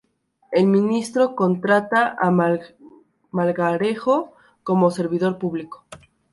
El ministro contrata a Melgarejo como servidor público.